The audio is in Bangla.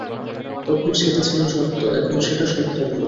তখন সেটা ছিল সত্য, এখন সেটা সত্য নেই।